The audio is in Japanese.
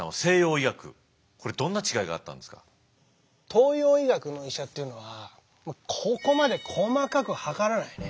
東洋医学の医者っていうのはここまで細かく量らないね。